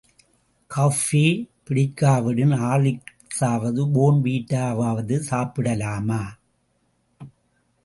Coffee பிடிக்காவிடின், ஆர்லிக்சாவது போர்ன் விட்டாவாவது சாப்பிடலாமா?